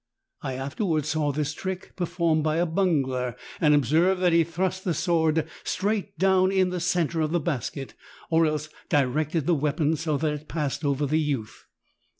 I afterward saw this trick per formed by a bungler, and observed that he thrust the sword straight down in the center of the basket, or else directed the weapon so that it passed over the youth.